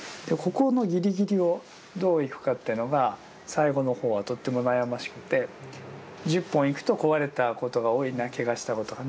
ここのギリギリをどういくかというのが最後の方はとっても悩ましくて１０本いくと壊れたことが多いなけがをしたことが。